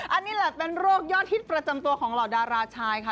อันนี้แหละเป็นโรคยอดฮิตประจำตัวของเหล่าดาราชายค่ะ